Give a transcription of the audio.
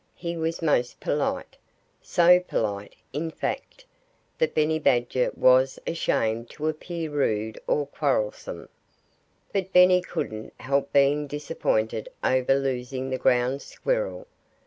He was most polite so polite, in fact, that Benny Badger was ashamed to appear rude or quarrelsome. But Benny couldn't help being disappointed over losing the Ground Squirrel.